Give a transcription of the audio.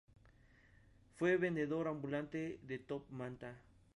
Fue vendedor ambulante de top manta.